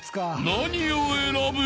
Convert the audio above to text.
［何を選ぶ？］